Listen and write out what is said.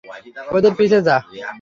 ওদের পিছে যা।